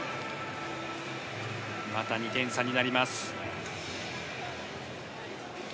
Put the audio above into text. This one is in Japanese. また２点差になります。